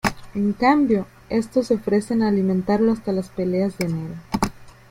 En cambio, estos se ofrecen a alimentarlo hasta las peleas de enero.